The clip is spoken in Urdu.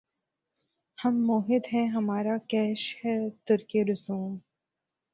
ہم موّحد ہیں‘ ہمارا کیش ہے ترکِ رسوم